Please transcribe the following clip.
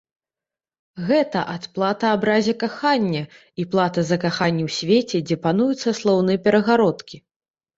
Гэта адплата абразе кахання і плата за каханне ў свеце, дзе пануюць саслоўныя перагародкі.